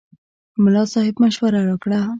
ملا صاحب مشوره راکړه.